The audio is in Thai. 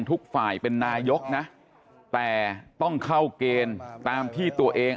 ทุกฝ่ายเป็นนายกนะแต่ต้องเข้าเกณฑ์ตามที่ตัวเอง